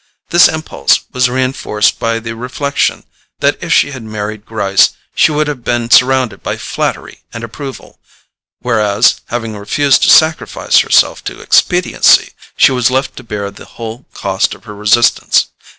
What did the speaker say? This impulse was reinforced by the reflection that if she had married Gryce she would have been surrounded by flattery and approval, whereas, having refused to sacrifice herself to expediency, she was left to bear the whole cost of her resistance.